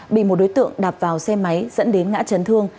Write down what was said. bị một đối tượng đạp vào xe máy dẫn đến ngã chấn thương